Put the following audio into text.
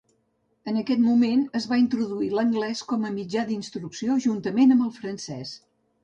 En aquest moment es va introduir l'anglès com a mitjà d'instrucció juntament amb el francès.